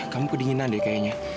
kamu kedinginan deh kayaknya